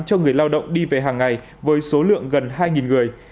cho người lao động đi về hàng ngày với số lượng gần hai người